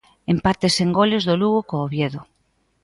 Empate sen goles do Lugo co Oviedo.